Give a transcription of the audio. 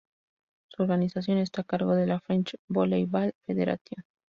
Su organización está a cargo de la French Volleyball Federation.